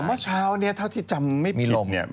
แต่เมื่อเช้าเนี่ยเท่าที่จำไม่ผิดเนี่ย